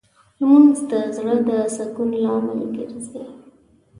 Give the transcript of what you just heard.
لمونځ د زړه د سکون لامل ګرځي